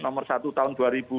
nomor satu tahun dua ribu dua puluh